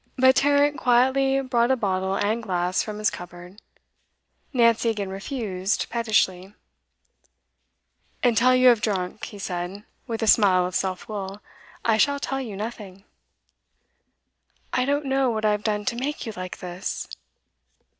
But Tarrant quietly brought a bottle and glass from his cupboard. Nancy again refused, pettishly. 'Until you have drunk,' he said, with a smile of self will, 'I shall tell you nothing.' 'I don't know what I've done to make you like this.